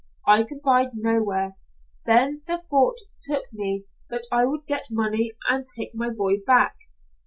I could bide nowhere. Then the thought took me that I would get money and take my boy back.